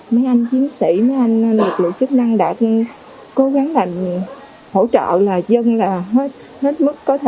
mấy anh chiến sĩ mấy anh lực lượng chức năng đã cố gắng làm hỗ trợ là dân là hết mức có thể